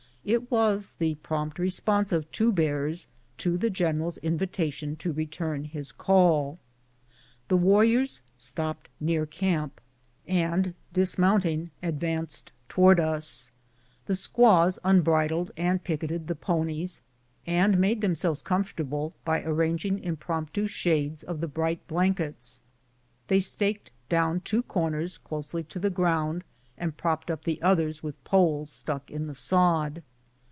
It was the prompt response of Two Bears to the general's invitation to return his call. The war riors stopped near camp, and dismounting advanced to wards us. Tlie squaws unbridled and picketed the po nies, and made themselves comfortable by arranging impromptu shades of the bright blankets. They staked down two corners closely to the ground, and propped up the others with poles stuck in the sod.